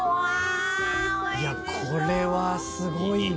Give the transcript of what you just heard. いやこれはすごいわ。